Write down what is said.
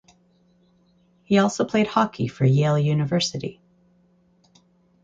He also played hockey for Yale University.